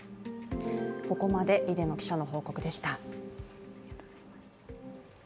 ここまで出野記者の報告でした。